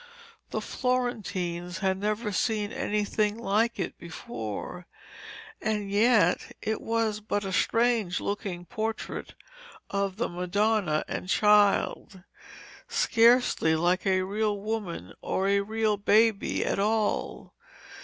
The Florentines had never seen anything like it before, and yet it was but a strange looking portrait of the Madonna and Child, scarcely like a real woman or a real baby at all.